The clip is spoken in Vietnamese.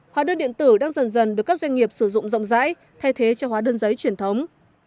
hóa đơn điện tử đang dần dần được các doanh nghiệp sử dụng rộng rãi thay thế cho hóa đơn giấy truyền thống